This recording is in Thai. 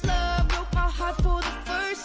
เธอมีตัวไหนจริง